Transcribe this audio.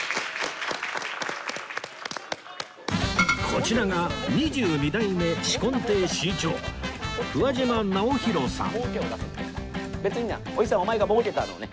こちらが二十二代目紫紺亭志い朝「別になおじさんお前が儲けたのをね